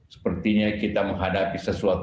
sepertinya kita menghadapi sesuatu